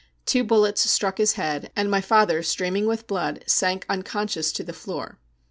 Two bullets struck his head, and my father., streaming with blood, sank unconscious to the floor.